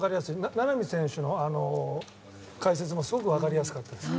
名波さんの解説もすごく分かりやすかったです。